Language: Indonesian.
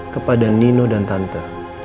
kepada nino dan tante